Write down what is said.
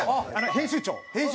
編集長！？